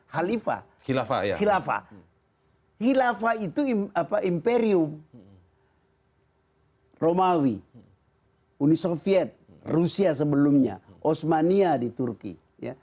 halifah khilafah hilafah itu imperium romawi uni soviet rusia sebelumnya osmania di turki ya